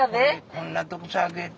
こんなとこさ上げた？